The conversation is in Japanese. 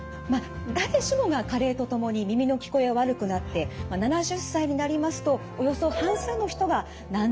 誰しもが加齢とともに耳の聞こえは悪くなって７０歳になりますとおよそ半数の人が難聴になるとされています。